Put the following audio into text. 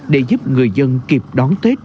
để giúp người dân kịp đón tết